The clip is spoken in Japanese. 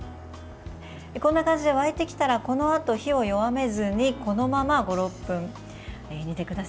こんな感じで沸いてきたらこのあと火を弱めずにこのまま５６分煮てください。